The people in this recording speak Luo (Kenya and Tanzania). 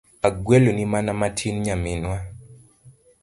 Agweloni mana matin Nyaminwa.